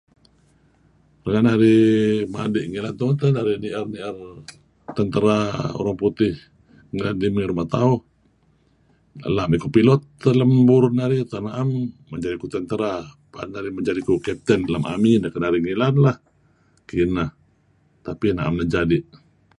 Nga' narih madi' ngilad tungen teh narih ni'er-nier tentera ureng putih renga' ideh marih ngih ruma' tauh. Ela' emey kuh pilut teh lem burur narih. Tak na'em, menjadi' kuh tentera teh narih paad narih jadi' kuh kepten lem amineh ken narih nglad lah. Tapi na'em jadi'. Kineh leh.